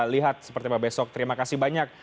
lihat seperti apa besok terima kasih banyak